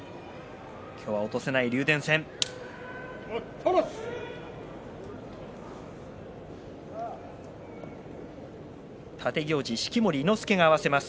今日は落とせない竜電戦です。